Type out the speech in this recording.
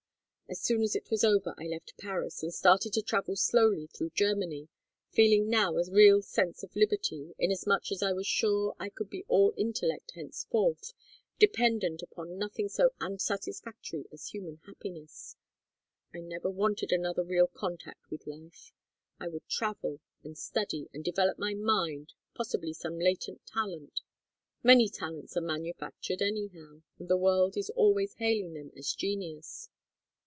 "As soon as it was over I left Paris and started to travel slowly through Germany, feeling now a real sense of liberty, inasmuch as I was sure I could be all intellect henceforth, dependent upon nothing so unsatisfactory as human happiness. I never wanted another real contact with life. I would travel, and study, and develop my mind, possibly some latent talent. Many talents are manufactured anyhow, and the world is always hailing them as genius.